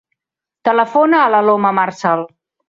Telefona a l'Aloma Marzal.